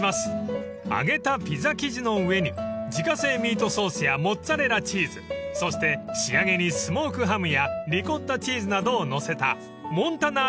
［揚げたピザ生地の上に自家製ミートソースやモッツァレラチーズそして仕上げにスモークハムやリコッタチーズなどを載せたモンタナーラボロネーゼはおすすめです！］